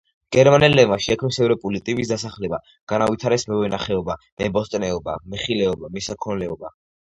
გერმანელებმა შექმნეს ევროპული ტიპის დასახლება, განავითარეს მევენახეობა, მებოსტნეობა, მეხილეობა, მესაქონლეობა.